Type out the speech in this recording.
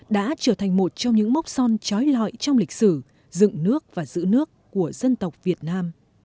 đã trở thành một trong những mốc son trói lọi trong lịch sử dựng nước và giữ nước của dân tộc việt nam